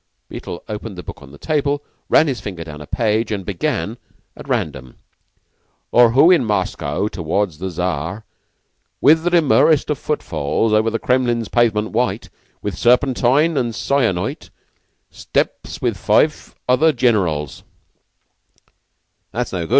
Beetle opened the book on the table, ran his finger down a page, and began at random: "Or who in Moscow toward the Czar With the demurest of footfalls, Over the Kremlin's pavement white With serpentine and syenite, Steps with five other generals " "That's no good.